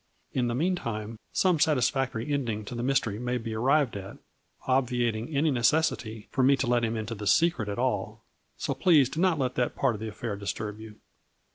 In the mean time some satisfactory ending to the mystery may be arrived at, obviating any necessity for me to let him into the secret at all. So please do not let that part of the affair disturb you."